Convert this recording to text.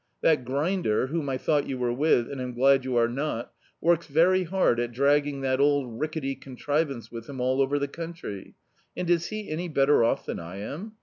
That grin der, whom I thought you were with, and am glad you are not, works very hard at dragging that old ricketty contrivance with him all over the country; and is he any better off than I am?